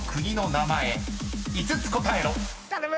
頼む！